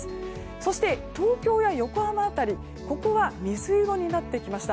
そして、東京や横浜辺りはここは水色になってきました。